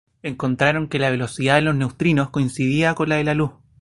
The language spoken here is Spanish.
Encontraron que la velocidad de los neutrinos coincidía con la de la luz.